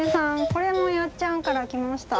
これもやっちゃんから来ました。